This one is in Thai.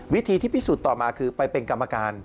วิธีที่พิสูจน์ต่อมาคือไปเป็นกรรมการ